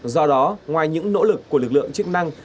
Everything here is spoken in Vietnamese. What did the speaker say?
do đó ngoài những nỗ lực của lực lượng chức năng